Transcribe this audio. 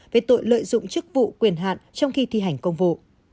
về tội lợi dụng chức vụ quyền hạn trong khi thi hành công vụ